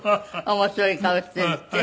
面白い顔してるって？